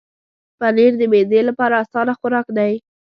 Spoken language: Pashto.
پنېر د معدې لپاره اسانه خوراک دی.